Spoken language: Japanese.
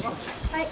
はい。